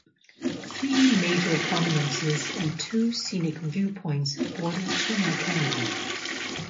Three major prominences and two scenic viewpoints border Tuna Canyon.